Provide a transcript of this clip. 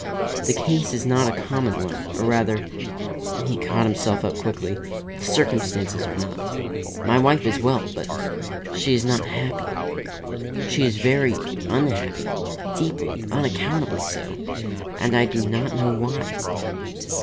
"The case is not a common one, or, rather," he caught himself up quickly, "the circumstances are not. My wife is well, but she is not happy. She is very unhappy, deeply, unaccountably so, and I do not know why."